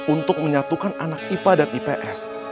untuk menyatukan anak ipa dan ips